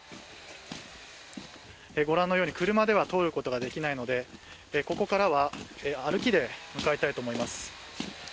ご覧のように車では通ることができないのでここからは歩きで向かいたいと思います。